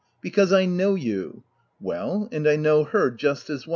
— Because I know you— Well, and I know her just as well."